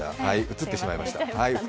映ってしまいました。